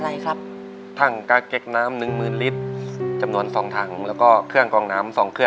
ในแคมเปญพิเศษเกมต่อชีวิตโรงเรียนของหนู